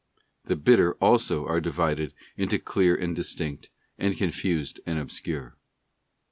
The Bitter also are divided into clear and distinct, and confused and obscure.